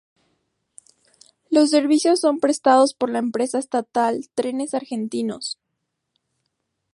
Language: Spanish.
Los servicios son prestados por la empresa estatal Trenes Argentinos.